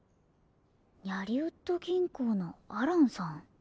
ニャリウッド銀行のアランさん？